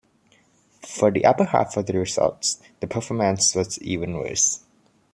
For the upper half of the results the performance was even worse.